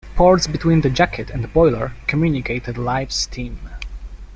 Ports between the jacket and boiler communicated live steam.